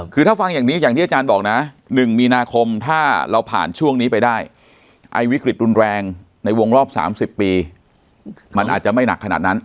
คือถ้าฟังอย่างนี้อย่างที่อาจารย์บอกนะ๑มีนาคมถ้าเราผ่านช่วงนี้ไปได้ไอ้วิกฤตรุนแรงในวงรอบ๓๐ปีมันอาจจะไม่หนักขนาดนั้น